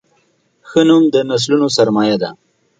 ښه نوم د نسلونو سرمایه ده.